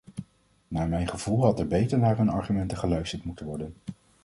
Naar mijn gevoel had er beter naar hun argumenten geluisterd moeten worden.